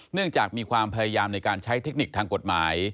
เนื่องจากมีความพยายามในการใช้เทคนิคทางกฎหมาย